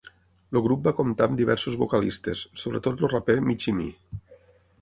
El grup va comptar amb diversos vocalistes, sobretot el raper Michie Mee.